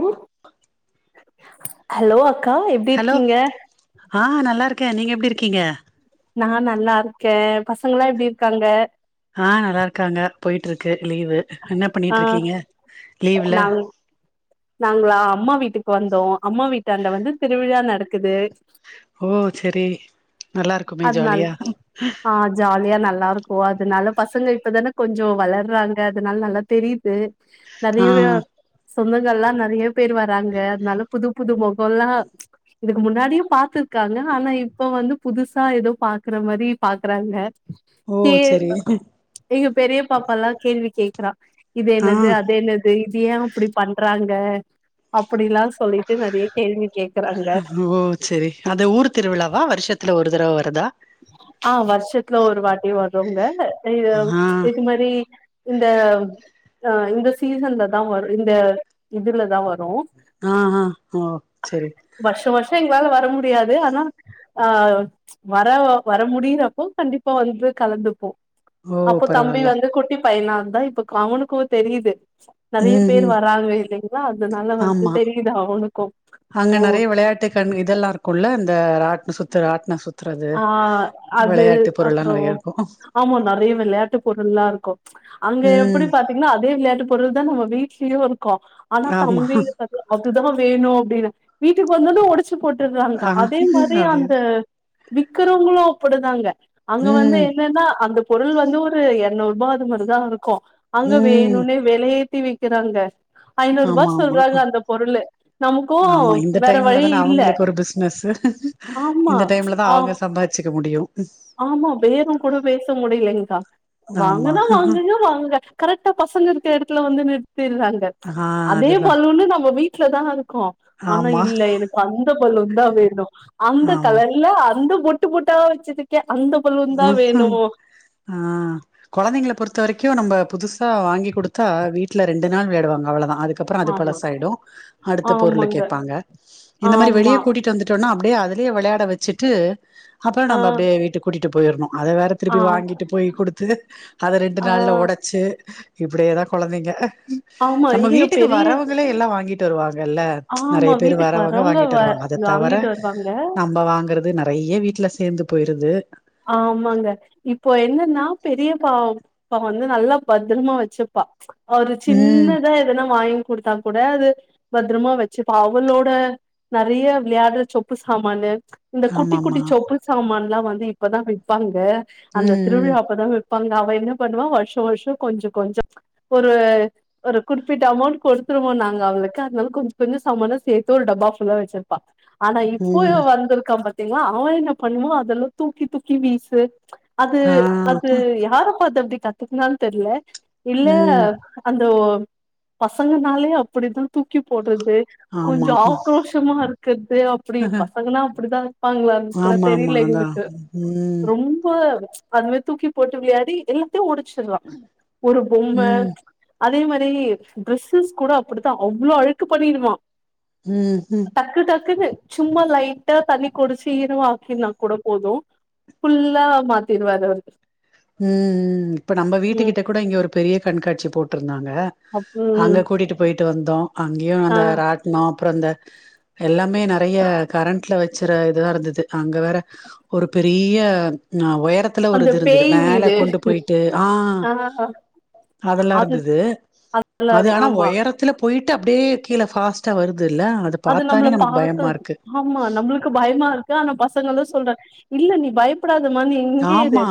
Low hello கா எப்டி இருக்கீங்க ஆஹ் நல்லா இருக்கே நீங்க எப்டி இருக்கீங்க நா நல்லா இருக்கே பசங்கலா எப்டி இருக்காங்க ஆஹ் நல்லா இருக்காங்க போயிட்ருக் க்கு லீவு என்ன ஆ பண்ணிட்டு இருக்கீங்க லீவ்ல நாங்ளா அம்மா வீட்டுக்கு வந்தோ அம்மா வீட்டாண்ட வந்து திருவிழா நடக் குது ஓ செரி நல்லா இருக்குமே அதனால் ஜாலியா ஆ ஜாலியா நல்லா இருக்கு அதனால பசங்க இப்பதான கொஞ்சோ வளர்றாங்க அதனால நல்லா தெரியு து ஆ நறையவே சொந்த கள்லா நறைய பேர் வராங்க அதனால புது புது முகம்லா இதுக்கு முன்னாடியு பாத்திருக்காங்க ஆனா இப்ப வந்து புதுசா ஏதோ பாக்குற மாரி பாக்குறாங்க ஓ கே செரி எங்க பெரிய பாப்பல்லா கேள்வி கேக் கிறா இது ஆ என்னது அது என்னது இது ஏன் அப்டி பண் றாங்க அப்டிலா சொல்லிட்டு நறைய கேள்வி கேக்குறாங்க ஓ சரி, அது ஊர் திருவிழாவா வருஷத்துல ஒரு தரவ வருதா த்துல ஒரு வாட்டி வருங்க அது அ ஆ இது மாரி இந்த அ இந்த சீசன்ல தா வரும் இந்த இதுலதா வரு ஆஹா ஓ சேரி வருஷ வருஷோ எங்களால வர முடியாது, ஆனா ஆ வர வர முடியிறப்போ கண்டிப்பா வந்து கலந்துப்போ ஓ அப்போ தம்பி பரவால்ல வந்து குட்டி பையனா இருந்தா இப்ப அவனுக்கு தெரியுது நெறைய ம் பேர் ம் வராங்க இல்லைங்களா அதனால வந்து ஆமா தெரியுது அவனுக்கு அங்க ஓ நெறய வெளயாட்டுகண் இதல்லா இருக்குல்ல அந்த ஆட் ஆ அது விளையாட்டு பொருள்லா அப்றோ நெறைய இருக்கு ஆமா நெறய வெளயாட்டு பொருள்லா இருக்கு அங்க ம் எப்புடி பாத்திங்னா அதே வெளயாட்டுப் பொருள்தா நம்ம வீட்லயு இரு க்கு ஆனா ஆமா தம்பினு பாத் இதா வேனு அப்டினு வீட்டுக்கு வந்தோனே ஒடச்சி போட்டறாங்க ஆ அதே மா இதுலயு அதே அந்த விக்கிறவங்களு [unintelligible] தாங்க அங்க வந்து ம் என்னென்னா அந்த பொருள் வந்து ஒரு எர்நூறுபா அது மாறிதா இருக்கு அங்க ம் வேணுன்னே வெலய த்தி வைக்கிறாங்க ஐநூரூபா ஆமா ஆமா சொல்றாங்க அ அந்த பொருளு நமக்கு ஆமா இந்த வேற டைம்ல வழி தான இல்ல அவங்களுக்கு ஒரு பிசினஸ் ஆமா இந்த டைம்லதா ஆ அவங்க சம்பாரிச்சிக்க முடியு ஆமா பேறோ கூட பேச முடிலேங்க்கா ஆமா வாங்குனா வாங்குங்க வாங்குங்க கரெட்டா பசங்கருக் க எடத்துல வந்து நி த்திர்ராங்க ம்ச் ஆ அதே அதுதா பல்லுன்னு நம்ப வீட்ல தா ருக்கு ஆனா ஆமா இல்ல எனக்கு அந்த பல்லுன் தா வேணு அந்த ஆமா கலர்ல அந்த பொட் ட்டு பொட்டா வச்சிருக் உம் ம் ஆ கொலந்தைங்ள பொறுத்த வரிக்கு க்யூ நம்ப புதுசா வாங்கி குடுத்தா வீட்ல ரெண்டு நாள் விளையாடுவாங்க அவ்ளதா அதுக் அப்புறோ அது பல ஆமா சாய்டு அடுத்த பொருள ஆமாங்க கேப்பாங்க இந்த மாறி வெளிய ஆமா கூட்டிட் வந்துட்டோன்னா அப் அப்டியே அதுலயே விளையாட வெச்சிட்டு அப்றோ ஆ நம்ப அப்டியே வீட்டுக் ட்டு போயிர்ணோ அத வேற ஆ திருப்பி வாங்கிட்டு போய் குடுத்து அத ரெண்டு ஆ நாள்ல ஒடச்சி இப்டியேதா கொலந்திங்க ஆமா நம்ம இங்க வீட்டுக்கு பெரிய வரவங்ளே எல்லா வாங்கிட் டருவா எல்லா ஆமா நறய பேர் வீட்டுக்கு வரவுங்க வரவங்க வாங்கிட் வ வருவாங்க அத தவிர வாங்கிட்டு வருவாங்க நம்ப வாங்குறது நறயா வீட்ல சேந்து போயிறுது ஆமாங்க இப்போ என்னென்னா பெரிய பாப்ப வந்து நல்லா பத்ரமா வச்சுப்பா ஒரு ம் சின்னதா எதனா வாங் கொடுத்தா கூட அது பத்ரமா வச்சுப்பா. அவளோட நெறையா விளையாடுற சொப்பு சாமானு இந்த குட்டிக் ஆமாமா குட்டிச் சொப்பு சாமான் எல்லா வந்து இப்பதா விப்பாங்க அந்த ம் திருவிழா அப்பதா ப்பாங்க அவ என்ன பண்ணுவா வருஷா வருஷோ கொஞ்சு கொஞ்சு ஒரு ஒரு குறிப்பிட்ட அமௌண்ட் கொடுத்துருவோ நாங்க அவளுக்கு அதனால கொஞ்சு கொஞ்சு சாமானோ சேர்த்து ஒரு டப்பா ஃபுல்லா வச்சுர்ப்பா ஆனா இப்போ ம் இவ ம் வந்துர்க்கா பா த்திங்களா அவ என்ன பண்ணுவா அதெல்லா தூக்கி தூக்கி வீசு அது ஆ அது யார எப்ப அத எப்டி கத்துக்குனானு தெர்ல இல்ல ம் அந்த பசங்கனாலே அப்டிதா தூக்கி போட்றது து கொஞ்சு ஆமா ஆக்ரோஷமா இருக்கறது அப்டி பசங்கலா அப்டிதா இருப்பாங்களான் கூட ஆமாமா தெரில அதா எங்ளுக்கு க்கு ம் ரொம்ப அதுவே தூக்கி போட்டு விளையாடி எல்லா ஒடிச்சிருவா ஒரு பொம்ம ம் அதே மாரி ட்ரெஸ்ஸஸ் கூட அப்படித்தா அவ்ளோ அழுக்கு பண்ணிடுவா ம் ம் டக்கு டக்குனு சும்மா லைட்டா தண்ணி குடுச் கொட்டிருவான் கீழேலாம் கூட போதோ ஃபுல்லா மாத்திருவாறு அவரு உம் உம் இப்ப நம்ம ம் வீட்டுக்கிட்ட கூட இங்க ஒரு பெரிய கண்காட்சி போட் இருந்தாங்க அப் ம் அங்க கூட்டிட்டு போயி ட்டு வந்தோ அங்கேயு ஆ அந்த ராட்னோ அப்புறோ இந்த எல்லாமே நெறைய கரண்ட்ல வெச் சிற இதுவா இருந்தது. அங்க வேற ஒரு பெரிய நா ஒயரத்துல ஒரு அந்த இது இருந்தது பேய் மேல வீடு கொண்டு போயிட்டு ஆஹ் ஆ அதெல்லா அது இருந்தது அது ஆனா ஆமா ஒயரத்துல போயிட்டு அப்டியே கீழ பாஸ்டா வரு அது நம்மள பாக்க ஆமா நம்மளுக்கு பயமா இருக்கு ஆனா பச ங்களோ சொல்றே இல்ல நீ பயப்பட ஆமா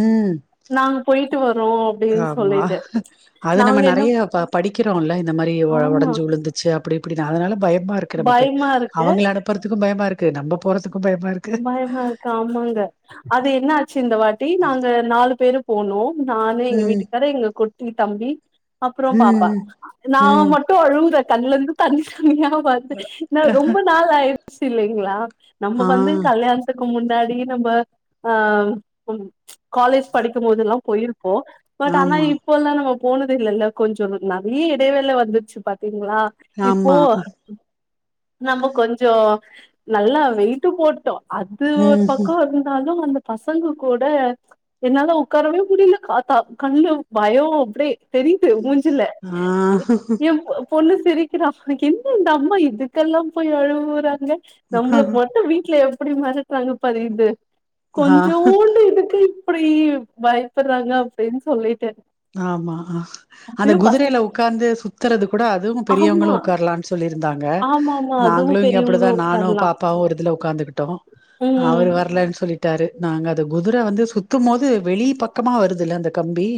உம் நாங்க போயிட்டு வரோ அப்டின்னு ஆமா சொல்லிட்டு அது நம்ம நாங்க என்ன நெறைய படிக்கிறோம்ல இந்த மாரி ஆமா ஒடஞ்சு உழுந்துச்சு அப்டி அப்படிதா அதனால பயப் பயமா இருக்கு நமக்கு பயமா இருக்கு அவங்க அனுப்புறதுக்கு பயமா இருக்கு நம்ம போறதுக்கு பயமா இருக்கு பயமா இருக்க ஆமாங்க அது என்ன சி இந்த வாட்டி நாங்க நாலு பேரும் போனோம் நானு எங்க ம் வீட்டுக்காரு எங்க குட் டி தம்பி அப்றோ பாப்பா ம் நா ம் மட்டு அழுகுத கண்ணுலருந்து தண்ணி தண்ணியா வர்து நா ரொம்ப நாள் ஆயி சி இல்லைங்களா நம்ம ஆ வந்து இதுக்கு முன்னாடி நம்ம ஆஹ் காலேஜ் படிக்கும் போதெல்லாம் போயிருப் போ பட் ஆனா ஆமா இப்போல்லாம் நம்ப போனது இல்லல்ல கொஞ்சம் நறைய இடைவேள வந்துருச்சு பாத்தீ ங்களா இப்போ ஆமா நம்ம கொஞ்ச நல்லா வெயிட்டு போட்டு அது ஒரு ம் பக்கம் இருந்தாலு அந்த பசங்க கூட என்னால உட்காரவே முடியல காத்தா கண்ணுல பயம் அப்டியே தெரியுது மூஞ் சில ஆ எ பொ பொண்ணு சிரிக்கிறா உனக்கு என்ன இந்த அம்மா இதுக்கெல்லாம் போய் அழுவுறாங் க நம்ளுக்கு மட்டும் வீட்டுல எ அப்டி மெரட்றாங்க பாரு இது ஆ கொஞ்சோண்டு இதுக்கு அப்டி பயப்பட்றாங்க அப்டின்னு சொல்லிட்டு ஆமா அந்த அப்பயு பச குதிரையில உட்காந்து சுத்துறது கூட அதுவும் ஆமா பெரியவங்களும் உட்காரலாம்னு சொல்லிருந்தாங்க ஆமா ஆமா அதுவு நாங்களும் இங்க பெரியவங்களு அப்டிதா நானும் உட்காரலா பாப்பாவும் ஒரு இதுல உட்காந்துகிட்டோம் ம் அவரு வரலனு சொல்லிட்டாரு நாங்க அது குதிரை வந்து சுத்தும் போது வெளி பக்கமா வருதுல்ல அந்த கம்பி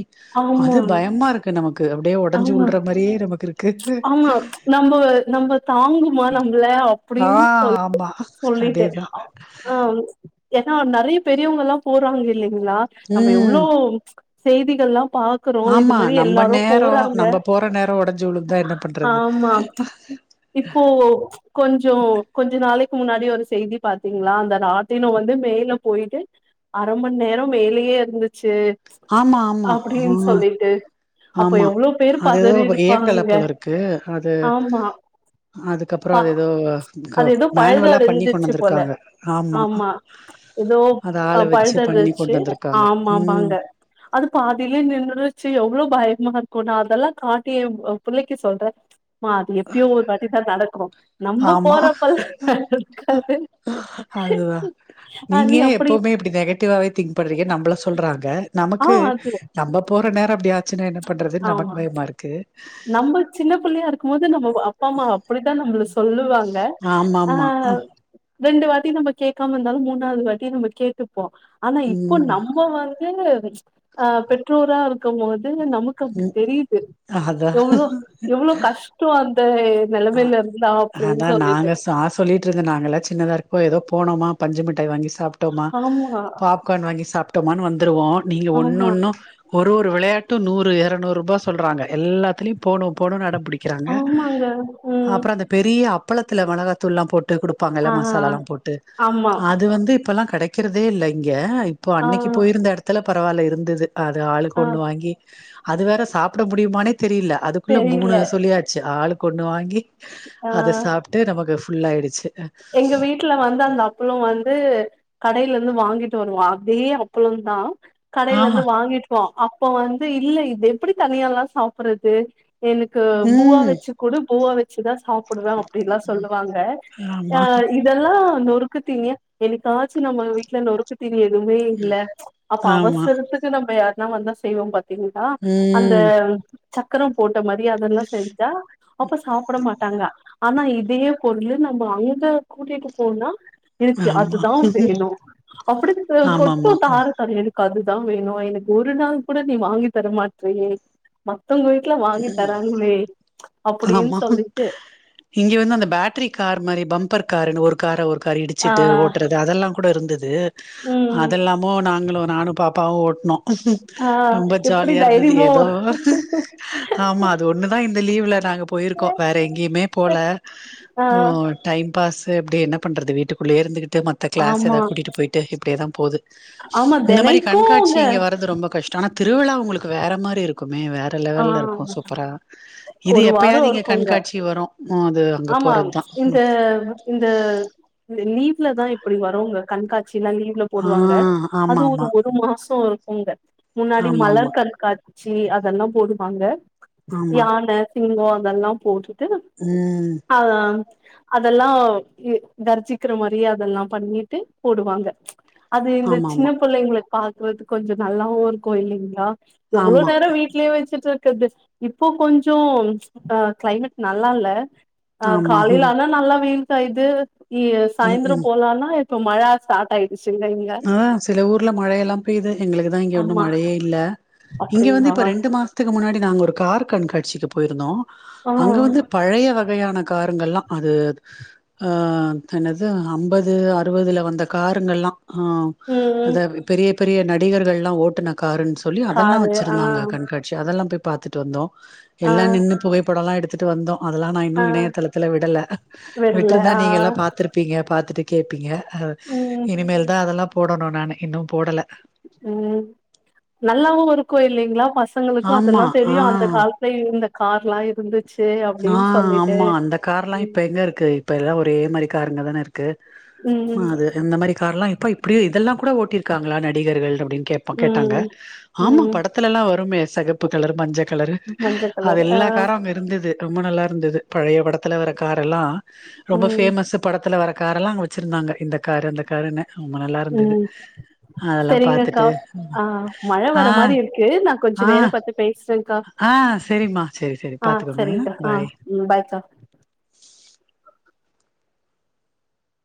ஆமா அது பயமா இருக்கு நமக்கு அப்டியே ஒடஞ்சு ஆமா உழ்ற மாரியே நமக்கு இருக்கு ஆமா நம்ம நம்ம தாங்குமா நம்மள ஆ அப்டின்னு சொ ஆமா சொல்லிட்டு அதேதா ஆ ஏன்னா நறைய பெரியவங்கலா போறாங்க இல்லிங் ங்களா நம்ம எவ்ளோ ம் செய்திகல்லாம் பாக்குறோ இது மாரி எல்லாரு நேரம் போறாங்க நம்ம போற நேரம் ஒடஞ்சு வுழுந்தா என்ன பண்றது ஆமா இப்போ கொஞ்சோ கொஞ்ச நாளைக்கு முன்னாடி ஒரு செய்தி பாத்தீங்களா அந்த ராட்டினம் வந்து மேல போயிட்டு அரை மணி நேரம் மேலேயே இருந்துச்சு ஆமா ஆமா ஹா அப்போ எவ்ளோ பேர் பதறிருப்பாங்க போல இருக்கு அது ஆமா அதுக்கப்றோ பா அது ஏதோ அது ஏதோ மேனுவலா பண்ணி கொண்டு பழுதடைஞ்சிச்சு போல வந்திருக்காங்க ஆமா ஏதோ அத ஆள வச்சு பண்ணி பழுதடஞ்சு கொண்டு வந்திருக்காங்க ஆமா ம் ஆமாங்க அது பாதிலயே நின்றுச்சு எவ்ளோ பாயம் மா இருக்கு நா அதெல்லா காட்டி எ புள்ளைக்கு சொல்றே மா அது எப்பயோ ஒரு வாட்டிதா நடக்கணு நம்ம ஆமா போறப்பதா நடக்காது அதுதா நீங்க நீ ஏன் அப்டி எப்பவுமே இப்டி நெகட்டிவாவே திங்க் பண்றீங்க நம்பள சொல்றாங்க நமக்கு நம்ம போற நேரோ அப்டி ஆச்சு என்ன பண்றதுன்னு நமக்கு ஆமா பயமா இருக்கு நம்ப சின்ன புள்ளையா இருக்கம் போது நம்ம அப்பா அம்மா அப்படிதா நம்மள சொல்லுவாங் ஆமாமா ரெண்டு வாட்டி நம்ம கேக்காம இருந்தாலு மூணாவது வாட்டி நம்ம கேட்டு ப்போ ஆனா இப்போ ம் நம்ம வந் து பெற்றோரா இருக்கும் போது நம்ம ம் தெரியுது அதா எவ்வளோ எவ்வளோ கஷ்டோ தய் ஆ அதா நாங்க ஆ சொல்லிட்டு இருந்த நாங்கல்லா சின்னதா இருக்கோ ஏதோ போனமா பஞ்சு மிட்டாய் வாங்கி சாப் டோமா ஆமா பாப்கார்ன் வாங்கி சாப் டோமா வந்து வந்துவோ நீங்க ஆமா ஒன்னொன்னும் ஒரு ஒரு ஒரு விளையாட்டும் நூறு இருநூறு ரூபா சொல்றாங்க எல்லாத்துலயு போணு போணு அடம்பிடிக்கிறாங்க ஆமாங்க ம் அந்த பெரிய அப்பளத்துல மெளகாத்தூல்லா போட்டு கொடுப்பாங்கல்ல ஆ மசாலாலா போட்டு ஆமா அது வந்து இப்பல்லா கிடைக் கிருதே இல்ல இங்க இல்ல இப்போ ஆ அன்னைக்கு போயிருந்த இடத்துல பா பரவால்ல இருந்தது அது ஆளுக்கு ஆ ஒன்னு வாங்கி அது வேற சாப்பிட முடியுமானே தெரியல அதுக்குள்ள மூணு தெரியல சொல்லியாச்சு ஆளுக்கு ஒன்னு வாங்கி ஆ அத சாப்பிட்டு நமக்கு ஃபுல்லயிடுச்சு எங்க வீட்டுல வந்து அந்த அப்பளம் வந்து கடயில இருந்து வாங்கிட்டு வருவோம் அதே அப்பளம்தா ஆ. கடையில இருந்து வாங்கிட்டுவோம் இப்ப வந்து இல்ல இது எப்படி தனியால்லா சாப்படுறது எனக்கு பூவா ம். வச்சு கூடு பூவா வச்சு சு தா சாப்பிடுவே அப்படி எல்லா சொல்லுவாங்க ஆ ஆமா, இதல்லா நோ நொருக்குத்தீனிய என்னைக்காச்சு நம்ம வீட்ல நொறுக்கு தினி எதுமே இல்ல ப்ச் அப்ப ஆமா. அவசரத்துக்கு நம்ம யா நா வந்தா செய்வோம் பாத் திந்தா அந்த ம். சக்கரம் போட்ட மாரியே அதெல்லா செஞ்சா அப்ப சாப்பிட மாட்டாங்க ஆனா இதே பொருளு நம்ம அங் ந்து கூட்டிட்டு போனா எனக்கு ஆமா. அதுதா வேணு அப்படி கொட்டு ஆமாமா. தார தாரயா எனக் கு அதுதா வேணு எனக்கு ஒரு நாள் கூட நீ வாங்கி தர மாட்டியே மத்தவங்க வீட்ல வாங்கி தராங்களே அப்டின்னு ஆமா சொல்லிட்டு இங்க வந்து அந்த பேட்டரி கார் மாரி பம்பர் கார்னு ஒரு காரா ஒரு காரா ஆ இடிச்சிட்டு ஓட்டுறது அதெல்லாங் கூட இருந்தது ம் அதெல்லாமோ நாங்களு நானு பாப்பாவு ஓட் ஆ ரொம்ப எப்டி ஜாலியா இருந்தது தைரியமா எதோ ஆமா அது ஒண்ணுதா இந்த லீவ்ல போயிருக்கோ வேற எங்கயுமே போல ஆ டைம் பாஸ் சே எப்படி என்ன பண்றது வீட்டுக்குள்ளயே இருந்து ட்டு மத்த கிளாஸ் ஆமா எதாது கூட்டிட்டு போயிட்டு இப்படியேதா போது ஆமா இந்த மாரி தெனைக்கு கண்காட்சி அங்க இங்க வர்ரது ரொம்ப கஷ்டோ ஆனா திருவிழா உங்களுக்கு வேற மாரி இருக்கு மே வேற ஆ லெவல்ல இருக்கு சூப்பரா இது ஒரு வாரோ எப்பயாவது இங்க இருக்குங்க கண்காட்சி வரு அது அங்க ஆமா போறதுதா இந்த ம் இந்த லீவ்லதா இப்படி வறுங்க கண்கா ட்சி எல்லா லீவ்ல போடுவாங்க ஆ அது ஆமா ஒரு ஆமா ஒரு மாசோ உங்க முன்னாடி ஆமா மலர் கண்காட் சி அதெல்லாம் போடுவாங்க ஆமா ஆமா யான சிங்கோ அதெல்லாம் போட்டுட்டு உஹம் ஆ அதெல்லா கர்ஜிக்கிற மாரியே அதெல்லாம் பண்ணிட்டு போடுவாங்க ப்ச் அது இந்த ஆமா சின்ன ஆமா புள்ளைங்களுக்கு பா த்து கொஞ்சோ நல்லாவு இருக்கு இல்லைங்ளா எவ்ளோ ஆமா நேரோ வீ்ட்லயே வெச்சு ட்டு இருக்கிறது இப்போ கொஞ்ச அ கிளைமேட் நல்லா இல்ல அ ஆமா காலை ம் ஆனா நல்லா வெயில் காய்து ஊ சாயந்தரொ போலான்னா க்கும் மழ ஸ்டார்ட் ஆய் ஆ சில ஊர்ல மழ எல்லா பேய்து எங்களுக்கு தா இங்க ஒன்னும் ஆமா மழையே இல்ல இங்க வந்து அப்டிங்களா இப்ப ரெண்டு மாசத்துக்கு முன்னாடி நாங்க ஒரு கார் கண்காட்சிக்குப் போயிருந்தோ ஆ அங்க வந்து பழைய வகையான காருங்கள்லா அது ஆ என்னது அம்பது அறுவதுல வந்த காருங்கள்லா ஆ ம் அதா பெரிய பெரிய நடிகர்கள்லா ஓட்டுனாங் காருன் சொல்லி அதெல்லா காரு ஆ வச்சிருந்தாங்க கண்காட்சி அதெல்லாம் போய் பாத்துட்டு வந்தோ ஆ எல்லா நின்னு புகைப்படொல்லா எடுத் ட்டு வந்தோ அதுலா நா இன்னு ஆ இணையதளத்துல விடல விடல விட்ருந்தா ஆ நீங்கல்லா பாத்ருப்பீங்க பாத் துட்டு கேப்பீங்க ஹ ம் இனிமேல் அதெல்லாம் போடணு நான் இன்னும் போடல ம் நல்லாவும் இருக்கும் இல்லைங்களா ஃபர்ஸ் பசங்களுக்கும் ஆமா அதெல்லாம் தெரியும் அந்த ஆ காலத்துல இருந்த கார்லாம் இருந்து ஆ ஆமா அந்த கார் எல்லாம் இப்ப எங்க இருக்கு இப்ப எல்லாம் ஒரே மாரி கார் அங்க தான இருக்கு க்கு ஆ ம் அது இந்த மாரி கார்ல்லாம் இப்ப அப்பிடியே இதெல்லாம் கூட ஓட்டிருக்காங்களா நடிகர்கள் அப்பிடின்னு கேப்பா கேட்டாங்க ம் ஆமா ம் படத்துலல்லாம் வருமே செகப்பு கலர் மஞ்ச கலரு மஞ்ச அது கலர் ஆ எல்லா காரும் அங்க இருந்தது ரொம்ப நல்லா இருந்தது பழைய படத்துல வரக் காரெல்லாம் ரொம்ப ம் ஃபேமஸ் படத்துல வர கார எல்லாம் அங்க வச்சிருந்தாங்க இந்த காரு அந்த காருன்னு ரொம்ப நல்லா இருந்தது ம் அதெல்லா சரிங்கக்கா பாத்துட்டு ஆ மழ ஆ வர மாரி இருக்கு நா ஆ கொஞ்சொ நேரொ பாத்து பேஸ்ற ஆ செரிம்மா செரி செரி பாத்துக்கோங்க சரிங்கக்கா ஆ பாய் ம் பாய்க்கா